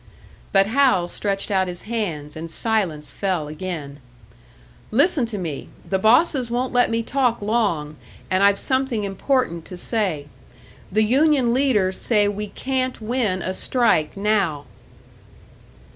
But Hal stretched out his hands, and silence fell again. "Listen to me! The bosses won't let me talk long, and I've something important to say. The union leaders say we can't win a strike now."